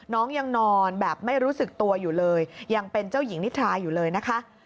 น้องยังนอนแบบไม่รู้สึกตัวอยู่เลยยังเป็นเจ้าหญิงนิทราอยู่เลยนะคะ